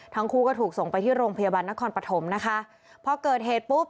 ทั้งคู่ก็ถูกส่งไปที่โรงพยาบาลนครปฐมนะคะพอเกิดเหตุปุ๊บ